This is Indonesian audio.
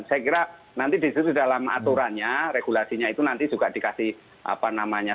saya kira nanti disitu dalam aturannya regulasinya itu nanti juga dikasih apa namanya